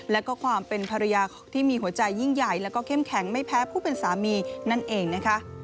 แล้วก็ความเป็นภรรยาที่มีหัวใจยิ่งใหญ่แล้วก็เข้มแข็งไม่แพ้ผู้เป็นสามีนั่นเองนะคะ